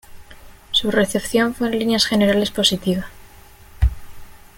Su recepción fue en líneas generales positiva.